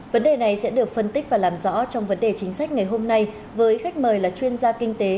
vấn đề này sẽ được phân tích và làm rõ trong vấn đề chính sách ngày hôm nay với khách mời là chuyên gia kinh tế